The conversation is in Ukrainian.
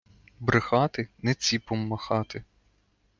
Брехати — не ціпом махати.